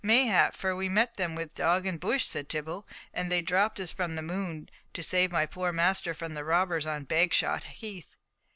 "Mayhap, for we met them with dog and bush," said Tibble, "and they dropped as from the moon to save my poor master from the robbers on Bagshot heath!